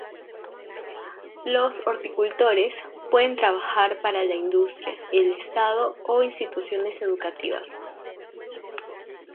Los horticultores pueden trabajar para la industria, el Estado o instituciones educativas.